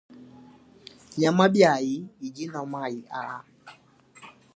Nyama biayi idi inua mayi aa.